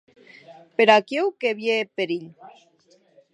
Per aquiu que vie eth perilh.